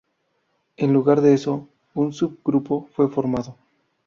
En lugar de eso, un subgrupo fue formado.